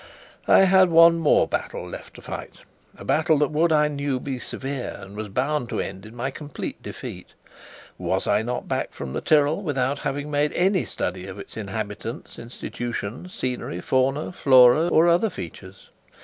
I had one more battle left to fight a battle that would, I knew, be severe, and was bound to end in my complete defeat. Was I not back from the Tyrol, without having made any study of its inhabitants, institutions, scenery, fauna, flora, or other features?